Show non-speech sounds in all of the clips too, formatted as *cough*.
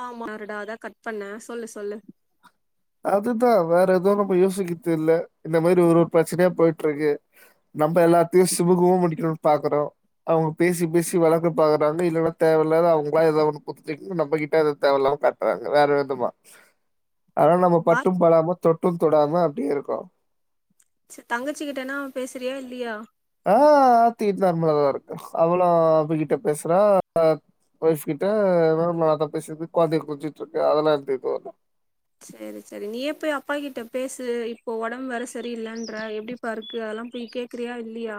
ஆமாருடா அதா கட் பண்ண சொல்லு சொல்லு அதுதா வேற எதுவு நம்ம யோசிக்கித் இல்ல இந்த மாரி ஒரு ஒரு பிரச்சனயா பொயிட்ருக்கு நம்ப எல்லாத்தையு சுமுகமா முடிக்கணுன் பாக்குறோம் அவுங்க பேசி பேசி வளக்க பாக்குறாங்க இல்லனா தேவயில்லாத அவுங்ளா ஏதோ ஒண்ணு *unintelligible* நம்ம கிட்ட அத தேவயில்லாம காட்டுறாங்க வேற விதமா ஆனா நம்ப ஆ பட்டும் படாம தொட்டு தொடாம அப்டியே இருக்கு தங்கச்சிக்கிட்டனா பேசுறியா இல்லீயா ஆ ஆர்த்தி நார்மலதா இருக்கு அவளு அவகிட்ட பேசுறா வைஃப் கிட்ட அத பேசக்கு கொழந்தய கொஞ்சிட்டுருக்கு அதெல்லா *unintelligible* சேரி சேரி நீயே போய் அப்பா கிட்ட பேசு இப்போ ஒடம்பு வேற சரியில்லன்ற எப்டிப்பா இருக்கு அதெல்லா போய் கேக்குறியா இல்லீயா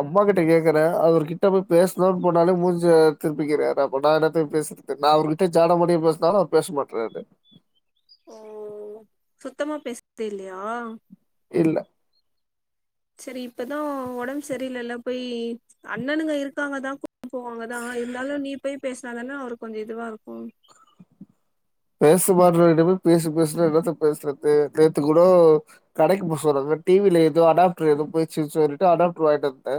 அம்மா கிட்ட கேக்குறே அவர்கிட்டப்போய் பேசணுனு போனாலே மூஞ்ச திருப்பிக்கிறாரு அப்ப நா என்னத்த பேசுறது நா அவருகிட்ட ஜாட மாடயா பேசுனாலு அவர் பேச மாட்ராரு ஓ சுத்தமா பேசரத்தில்லயா இல்ல செரி இப்பதா ஒடம்பு சரியில்லல போய் அண்ணனுங்க இருக்காங்க தா போவாங்க தா இருந்தாலு நீ பெய் பேசினா தானே அவருக்கு கொஞ்சம் இதுவா இருக்கும் பேசுமாட்றவர்ட்ட போய் பேசு பேசுனா என்னத்த பேசுறது நேத்து கூட கடைக்கு போ சொன்னாக டி வில ஏதோ அடாப்டர் ஏதோ போயிர்ச்சு சொல்லிட்டு அடாப்டர் வாங்கிட்டு வந்தே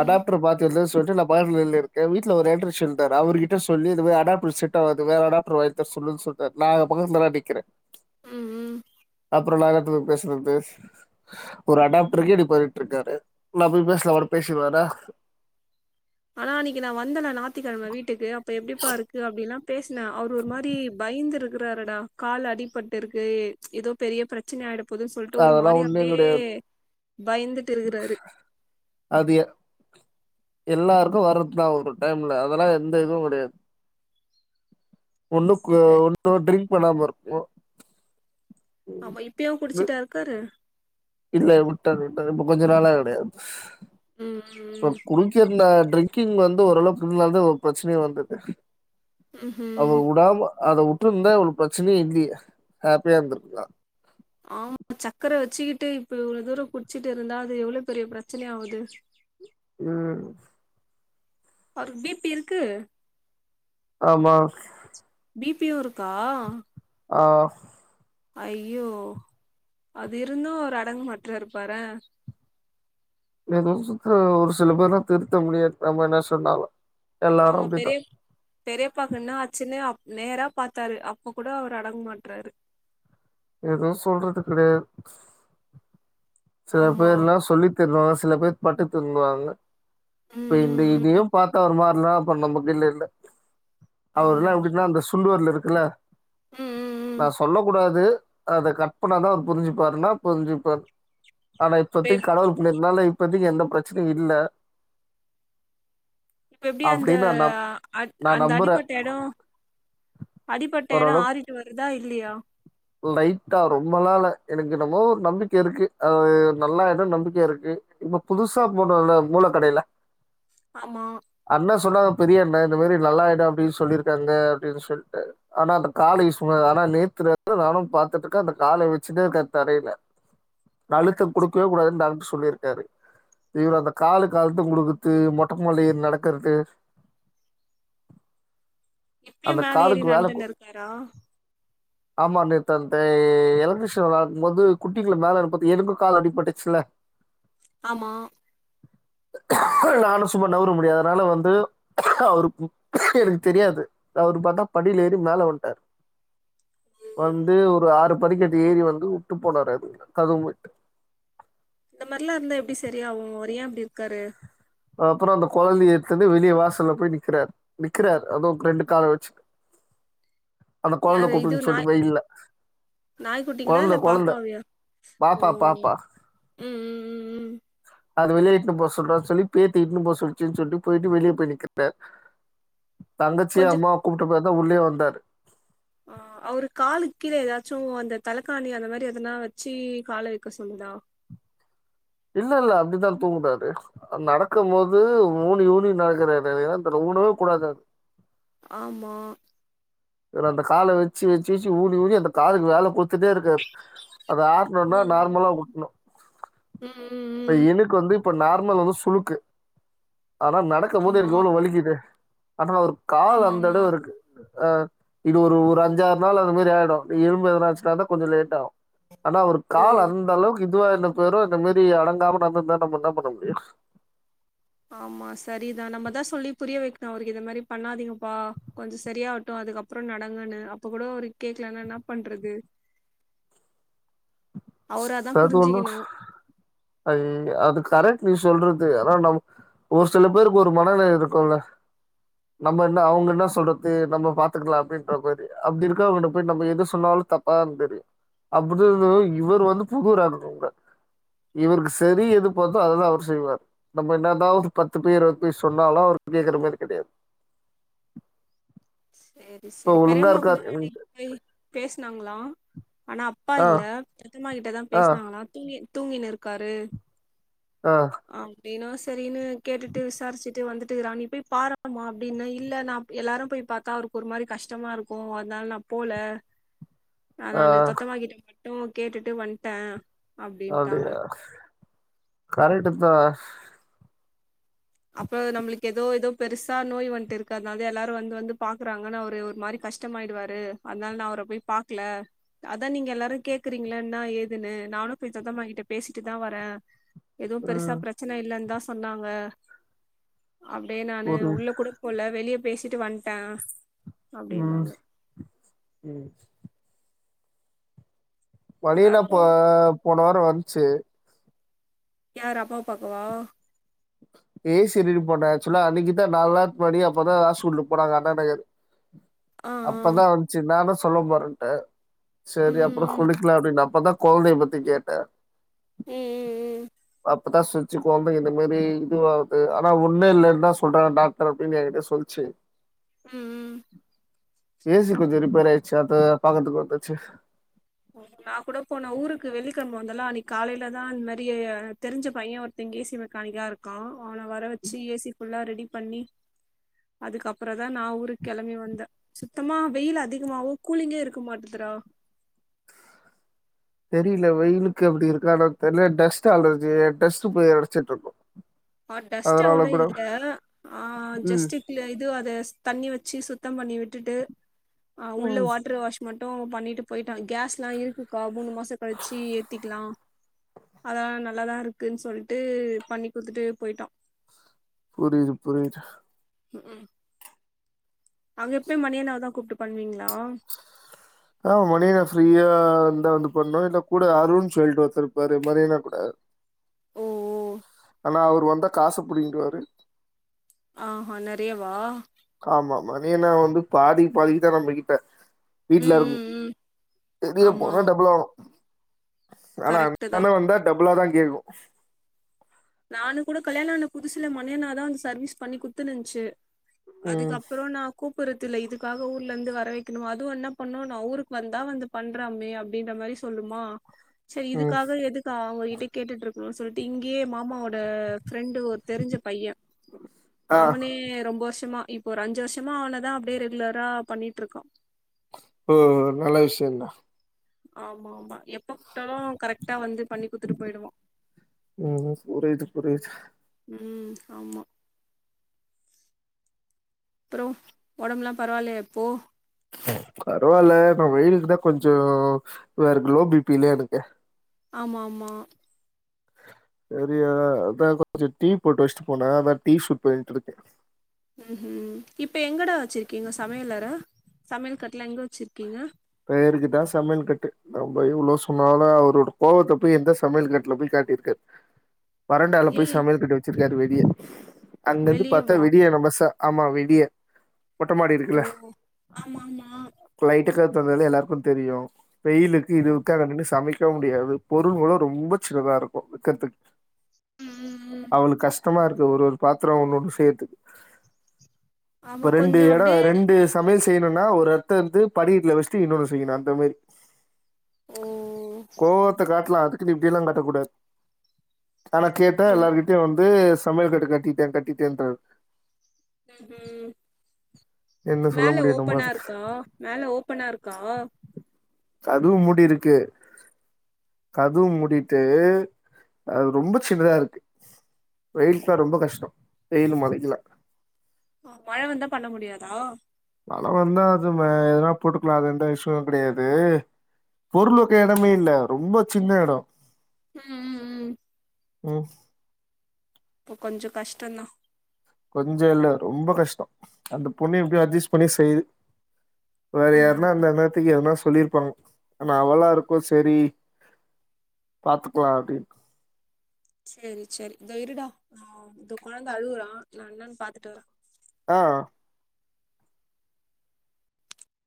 ம் அடாப்டர் பாத்து எதோ சொல்ட்டு ந *unintelligible* வீட்ல ஒரு எலக்ட்ரிசன் இருந்தார் அவருகிட்ட சொல்லி இந்தமாரி அடாப்டர் செட்டா வர்து வேற அடாப்டர் வா சர் சொல்லு சொல்ட்டார் நா பக்கத்துல தா நிக்றே உம் உம் அப்றோ நா என்னத்த பேய் பேசுறது ஒரு அடாப்டருகே இப்படி பண்ணிட்ருக்காரு நா போய் பேசுனா மட்டு பேசிறுவாரா ஆனா அன்னைக்கு நா வந்தேன நாத்திக்கிழம வீட்டுக்கு அப்ப எப்டிப்பா இருக்கு அப்டின்னா ன்னா அவரு ஒரு மாரி பயந்திரு க்குராருடா கால் அடிபட்டு இருக்கு ஏ எதோ பெரிய பிரச்சன ஆய்ட ப்போது சொல்ட்டு ஒரு அதெல்லா மாரி ஒண்ணும் அப்டியே கெடையாது பயந்துட்டு இருகுறாரு அது எ எல்லாருக்கு வர்றதுதா ஒரு டைம்ல அதெல்லா எந்த இதுவு கெடயாது ஒண்ணுக்கு *unintelligible* பண்ணாம் இருக்கு அவ இப்பயு குடிச்சுட்டா இருக்காரு இல்ல வுட்டார் வுட்டார் இப்ப கொஞ்ச நாளா கெடயாது ம் ப்ப ம் குடிக்கர்னா ட்ரிங்கிங் வந்து ஓரளவு ன்னால்தா ஒ பிரச்சனயே வந்தது ம்ஹும் அவுங்க வுடாம அத உட் வுட்டுருந்தா இவ்ளோ பிரச்சனயே இல்லயே ஹேப்பியா இருந்திருக்ளா ஆம் சக்கர வச்சுக்கிட்டு இப்ப இவ்ள தூர குடிச்சுட்டு இருந்தா அது எவ்ளோ பெரிய பிரச்சனை ஆகுது உம் அரு பி பி இருக்கு ஆமா பி பி-யு இருக்கா ஆஹ் ஐயோ அது இருந்து அவரு அடங்கு மாட்றார் பாரே *unintelligible* ஒரு சில பேர திருத்த முடியாது நம்ம என்ன சொன்னாலு எல்லாரு ஆமா அப்டித்தா பெரியப் பெரியப்பாக்கு என்னே ஆச்சுன்னா அப் நேரா பாத்தாரு அப்ப கூட அவரு அடங்க மாட்றாரு எதுவு சொல்றது கிடையாது சில ஆமா பேர் எல்லா சொல்லித் க்குறோ சில பேர் பட்டு திருந்துவாங்க ம் இப்ப இந்த ம் ம். இதையு பாத்தா அவர் மார்லனா அப்ப நம்மகைல இல்ல அவர் ஆமா எல்லா எப்டினா அந்த சுண்டுவெரல் இருக் இல்ல ம் ம் நா ம். சொல்ல கூடாது அத கட் பண்ணாதா அவர் புரிஞ்சுபார்ன்னா புரிஞ்சுப்பார் ஆனா இப்ப இப்பத்திக் எப்- கடவுள் புண்ணித்னால இப் இப்பத்திக்கு எந்த பிரச்சனயு இல்ல இப்ப எப்படி அந்த அப்டின்னு நா நம் நா அந்த நம்புறே அடிப்பட்ட எடம் அடிப்பட்ட எடம் ஓரளவுக்கு ஆறிட்டு வரு தா இல்லையா லைட்டா ரொம்பால இல்ல எனக்கு என்னமோ ஒரு நம்பிக்கை இருக்கு அது நல்லா ஆய்டும் நம்பிக்கையா இருக்கு இப்ப புதுசா போட்டோம் இல்ல மூள கடையில ஆமா சொன்னாங்க பெரிய அண்ணன் இந்த மாரி நல்லாயிடும் அப்டினு சொல்லிருக்காங்க அப்டின்னு சொல்லிட்டு ஆனா அந்த காலிஸ்மா ஆனா நேத்து யிருந்து நானும் பாத்துட்டு இருக்கேன் அந்த கால வச்சுன்னே இருக்கறாரு தரையில அழுத்த குடுக்கவே கூடாதுன்னு டாக்டர் சொல்லியிருக்காரு இவர் அந்த காலுக்கு அழுத்தம் கொடுக்கறது மொட்ட மாடில ஏறி நடக்கறது எப்பியும் மேல ஏறி நடந்துனு இருக்காரா ஆமா நேத்து அந்த எலக்ட்ரிஷன் விளாக்கும் போது குட்டிகள மேல அனுப்பதற்கு எனக்கும் கால் அடிபட்டுச்சுல்ல ஆமா நானும் சும்மா நவுர முடியாதனால வந்து அவரு எனக்கு தெரியாது அவரு பாத்தா படியில ஏறி மேல வண்ட்டாரு வந்து ஒரு ஆறு படிக்கட்டு ஏறி வந்து உட்டு போனாரு அது கதவு மூடிட்டு இந்த மாரிலாம் இருந்தா எப்டி செரியாகும் அவர் ஏன் இப்டி இருக்காரு அப்புறம் அந்த கொழந்தைய எடுத்து வந்து வெளிய வாசல்ல போய் நிக்கிறாரு நிக்கிறாரு அதுவும் ரெண்டு கால வச்சுட்டு யாரு இது நாய் நாய்க்குட்டிங்களா இல்ல குழந்தை குழந்தை பாப்பாவியா ஓ பாப்பா பாப்பா உம் உம் உம் உம் ம் அது வெளியே இட்டுன்னு போ சொல்றான்னு சொல்லி பேத்தி இட்டுன்னு போ சொல்லச்சுன்னு சொல்ட்டு போயிட்டு வெளியே போயி நிக்கிற தங்கச்சிய கொஞ்சோ அம்மா கூப்பிட்டு பா தா உள்ளே வந்தாரு ஆஹ் அவரு காலு கீல ஏதாச்சும் அந்த தலக்காணி அந்த மாரி எதனா வச்சி கால வக்க சொல்லுடா இல்ல இல்ல அப்டிதான் தூங்கறாரு நடக்கும் போது ஊனி ஊனி நடக்கறாரு அது என்னான்னு தெர்ல ஊனவே கூடாது ஆமா வேற அந்த கால வச்சு வச்சு வச்சு வச்சு ஊனி ஊனி அந்த காலுக்கு வேல கொடு துட்டே இருக்காரு அத ஆருனுனா ம் நார்மலா உடுணும் ம் ம் இப்ப ம் எனுக்கு வந்து இப்ப நார்மல் வந்து சுளுக்கு ஆனா நடக்கும் போது ஆமா எனக்கு எவ்ளோ வலிக்குது ஆனா ஒரு கால் ஆமா அந்த ஆமா எடவ இருக்கு ஆஹ் இது ஒரு ஒரு அஞ்சாறு நாள் அந்த மாரி ஆயிடும் நீ இரும்பு எதனாச்சினுதான் கொஞ்சோ லேட் ஆவும் ஆனா அவர் ஓ கால் அந்த அளவுக்கு இதுவா என்ன பேரும் இந்த மேரி அடங்காம நடந்திருந்தா நம்ம என்ன பண்ண முடியும் ஆமா சரிதான் நம்மதான் சொல்லி புரிய வைக்கணும் அவருக்கு இந்த மாரி பண்ணாதீங்கப்பா கொஞ்சம் சரியாகட்டும் அதுக்கப்புறம் நடங்கன்னு அப்ப கூட அவரு கேக்கலனா என்னா பண்றது அவராதா சது ஒன்னு புரிஞ்சுக்கணு அய் அது கர என்ன சொல்றது ஆனா நம் ஒரு சில பேருக்கு ஒரு மனநில இருக்கும் இல்ல நம்ம என்ன அவங்க என்ன சொல்றது நம்ம பாத்துக்கலாம் அப்டின்ற மேரி அப்டி இருக்கவங்கிட்ட போய் நம்ப என்ன சொன்னாலும் தப்பாதான் தெரியும் அப்டின்னு இவர் வந்து புகுறாங்கவங்க இவருக்கு சரி எது பாத்தோ அத்தான் அவர் செய்வாரு நம்ம என்னதாவது பத்து பேர போய் சொன்னாலும் அவரு கேக்குற மாரி கெடயாது சரி சரி பெரியம்மா கூட அன்னைக்கு போய் பேசனாங்களாம் ஆனா அப்பா ஆ இல்ல ரிம்மா கிட்ட தான் ஆ பேசனாங்களான் தூங்கி தூங்கினு இருக்காரு ஆ நீனா சரின்னு கேட்டுட்டு விசாரிச்சிட்டு வந்துட்டு றான் நீ போய் பாரு அப்றமா அப்டீனா இல்ல நா எல்லாரு போய் பா அவருக்கு ஒரு மாரி கஷ்டமா இருக்கும் அதனால நா போல ஆ நானு தொத்தமாகிட்டே ட்டும் கேட்டுட்டு வந்தே அப்டியா கரட்டுத்தா அப்ற நம்மளுக்கு ஏதோ ஏதோ பெருசா நோய் வந்ட் ருக்கு அதனால த எல்லாரு வந்து வந்து பாக்குறாங்கன்னு அவரு ஒரு மாரி கஷ்டமாயிடுவாரு அதனால நா அவர போய் பாக்ல அதா நீங்கல்லாரு கேக்குறீங்களே இன்னா ஏதுன்னு நானு போய் சுத்தமாகிட்ட பேசிட்டுதா வரே எதுவும் பெருசா ம் பிரச்சன இல்லன் தா சொன்னாங்க அப்படியே நானு ஒரு உள்ள கூட போல வெளிய பேசிட்டு வந்தேன் ம் ம் எல்லாருக்கு பன்னினாப்ப போன வந்துச்சு யாரு அப்பாவ பாக்கவா ஏ சரின்னு போன ஆச்வலா அன்னைக்குதா நாலு நாள் போனிங்க அப்பதா ஆ ஸ்லுக்கு போனாங்க அண்ணா நகர் ஆ ஆ அப்பதா வந்துச்சு நானு சொல்ல மறந்தன் ம் சரி அப்பறோ ம் சொல்லிக்லாம் அப்டின்னு ப்பத்தான் கொழந்தைய பத்தி கேட்டே ம் ம் ம் அப்பதா சுச்சு கொழந்தைக்கு இந்த மேரி இதுவாவது ஆனா ஒன்னு இல்லன் தா சொல்றாங்க டாக்டர் அப்படின்னு என்கிட்ட சொல்லிச்சு ம் ம் ஏசி கொஞ்சம் ரிப்பேர் ஆய்டுச்சா அதத பாக்கறதுக்கு வந்துச்சு ஓ நா கூட போன ஊருக்கு வெள்ளிக்கிழம வந்தலா அன்னிக்கு காலயிலதா இந்மாரி தெரிஞ்ச பைய ஒருத்தங்க ஏசி மெக்கானிக்கா இருக்கா அவன வர வச்சு ஏசி புல்லா ரெடி பண்ணி அதுக்கப்பற தா நா ஊருக் கெளம்பி வந்த சுத்தமா வெயில் அதிகமாவோ கூலிங்கே இருக்க மாட்டதுடா வெளியில வெயிலுக்கு அப்பிடி இருக்கா என்னனு தெர்ல டஸ்ட்டு அலர்ஜி டஸ்ட் போய் அடச்சிட்ருக்கு ஆ டஸ்ட் அவ்ளோ இல்ல ஆ ம் ஜஸ்ட் இ அத தண்ணி வச்சு சு சுத்தம் பண்ணி விட்டுட்டு ஆ உள்ள ம் வாட்ரு வாஷ் மட் பண்ணிட்டு போயிட்டா கேஸ்லா இருக்குக்கா மூணு மாச கழிச்சு ஏத்திக்லா அத நல்லாதா ருக்குன் சொல்ட்டு பண்ணி கொடுத்துட்டு போயிட்டா புரியுது புரியுது உம் அவங்க எப்பயு மணியனாவ தா கூப்ட்டு பண்ணுவீங்ளா ஆ மணினா ஃப்ரீயா இருந்தா வந்து பண்ணு இல்ல கூட அருண் சொல்டு ஒருத்தருப்பாரு மணியண்ணானா கூட ஓ ஓ அனா ஆவ வந்தா காச புடிங்கிருவாரு ஆஹா நெறைய வாா ஆமா மதியனா வந்து பாதிக் பாதித்தா நம்ம முடிப்ப ம் வீட்ல இருக்கு ம் ம் வெளிய ஆமா போனா டபுளாகு ஆனா அந்த கரெக்ட்டு தா அண்ணா வந்தா டபுளாதா எழு நானு கூட கல்யாணோ ஆன புதுசுல மனியன்னாதா வந்து சர்வீஸ் பண்ணி குத்துனுன்ச்சு ம். அதுக்கப்புறோ நா கூப் கூப் புறத்தில்ல இதுக்காக ஊர்ல இருந்து வர வெக்குணு அதுவு என்ன பண்ணு நா ஊருக்கு வந்தா வந்து பண்றாமே அப்டின்ற மாரி சொல்லுமா செரி ம். இதுக்காக எதுக்கு அவங்க கிட் டே கேட்டுட்ருக்குணுன் சொல்ட்டு இங்யே மா அம்மாவோட ஃப்ரெண்டு ஒர் தெரிஞ்ச பைய ஆ. அவனே ரொம்போ வர்ஷமா இப்போ ஒரு அஞ்சு வர்ஷமா அவனதா அப்டியே ரெகுலரா பண்ணிட்ரிக்க ஓ நல்ல விஷியந்தா ஆமா ஆமா எப்ப கூப்ட்டாலு கரெக்ட் ம் ம் புரியிது புரியிது உம் ஆமா அப்புறோ ஒடம்புலா பரவால்லய இப்போ பரவால்ல நா வெயிலுக்கு தா கொஞ்சோ வேற லோப்பில இருக்க ஆமாம்மா சரியா அதா கொஞ்சு டீ போட்டு வஸ்ட்டு போன அதா டீ ஷூட் பண்ட்ரிக்கே ம் ம் இப்ப எங்கடா வச்சிருக்கீங்க சமையலற சமைல் கட்டுலா எங்க வச்சிருக்கீங்க பேருக்கு தா சமைல் கட்டு நம்ம எவ்ளோ சொன்னாலு அவரோட கோவத்த போய் எந்த சமைல் கட்ல போய் காட்டிருக்காரு வறண்டால போய் ஏய் சமையல் கட்டு வச்சுரு இருக்காரு வெளியே அங்கந்து வெளிய பாத்தா வா வெடிய நம்ம சா ஆமா வெடிய நீங்க ஆமாங்மா இப்ப எப் சொன்னாலே எல்லார்க்கு தெரியு வெயிலுக்கு ஓ இதுக்குள நின்னு சமைக் க முடியாது பொருள்களு ரொம்ப சின்னதா இருக்கு வெக்கறதுக் ம் அவனு கஷ் டமா இருக்கு ஒரு ஒரு பாத்ரோ ஒன்னொன்னு செய்றத்துக்கு ஆமா இப்ப ரெண்டு கொஞ்சோ எடோ அப்டியே ரெண்டு சமையல் செய்னுனா ஒரு எத்த இருந்து படிக்கட்ல வெ ச்ட்டு இன்னொனு செய்னு அந்த மாரி ஓ கோவத்த காட்லா அதுக் னு இப்டியெல்லா காட்டக்கூடாது ஆனா கேட்டா ம் எல்லாருகிட்டயு வந்து சமையல் கட்டு கட்டிட்டே கட்டிட்டேன்றர் ம் ஹு என்ன சொல்ல மேல முடியும் நம்ம ஓபனா அதுக்கு இருக்கா மேல ஓப்பனா இருக் கா கதுவு மூடிருக்கு கதுவு மூடிட்டு அது ரொம்ப சின்னதா இருக்கு வெயிலுக்ளா ரொம்ப கஷ்ட வெயிலு மழைக்கலா மழ வந்தா பண்ண முடியாதா மழ வந்தா அது மே எதனா போட்டுக்கலா அது எந்த இஷ்யூவு கெடையாது பொருள் வக்க எடமே இல்ல ரொம்ப சின்ன எட ம் ம் ம் ம் அப்ப கொஞ்ச கஷ்டந்தா கொஞ்ச இல்ல ரொம்ப கஷ்ட அந்த பொண்ணு எப்டியோ அஜஸ் பண்ணி செய்து வேற ஆமா யாருன்னா ஆமா இந்தா இன்னேரத்திக்கு எதனா சொல்லிருப்பாங்க ஆனா அவளா இருக்கவு செரி பாத்துக்கலா அப்டின்னு சேரி சேரி இதோ இருடா, நா இதோ கொழந்த அழுவுறா நா என்னன்னு பாத்துட்டு வர ஆ